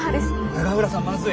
永浦さんまずい。